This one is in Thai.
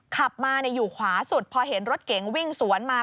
ขับมาอยู่ขวาสุดพอเห็นรถเก๋งวิ่งสวนมา